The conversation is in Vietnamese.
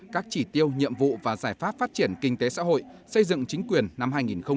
các chỉ tiêu nhiệm vụ và giải pháp phát triển kinh tế xã hội xây dựng chính quyền năm hai nghìn hai mươi